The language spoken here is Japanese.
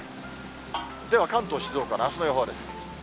では関東、静岡のあすの予報です。